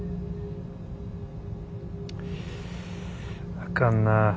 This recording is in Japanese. あかんな。